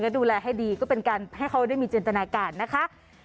ดูแลให้ดีก็เป็นการให้เขาได้มีเจนตนาการนะคะ